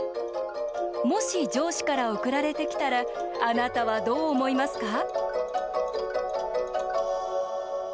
もし上司から送られてきたらあなたは、どう思いますか？